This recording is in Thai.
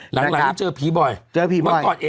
หลังก็เจอผีบ่อยใช่ค่ะ